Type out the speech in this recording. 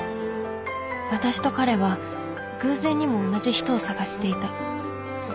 「私と彼は偶然にも同じ人を探していた」